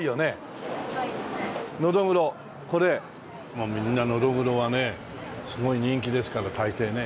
もうみんなノドグロはねすごい人気ですから大抵ね。